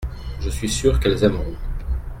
Je suis sûr qu’elles aimeront.